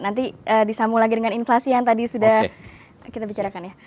nanti disambung lagi dengan inflasi yang tadi sudah kita bicarakan ya